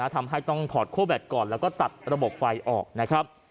ทำให้ต้องถอดโคแบตก่อนแล้วก็ตัดระบบไฟออกนะครับ